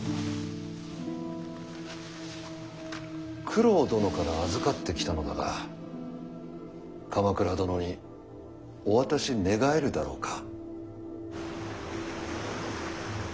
九郎殿から預かってきたのだが鎌倉殿にお渡し願えるだろうか。